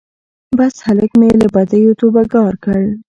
بس هلک مي له بدیو توبه ګار کړ